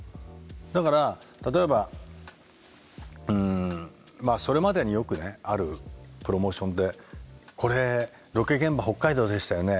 だから例えばそれまでによくあるプロモーションで「これロケ現場北海道でしたよね。